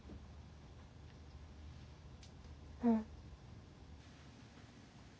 うん。